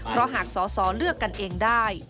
เพราะหากสอสอเลือกกันเองได้